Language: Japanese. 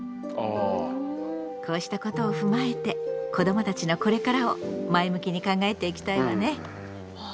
こうしたことを踏まえて子どもたちのこれからを前向きに考えていきたいわね。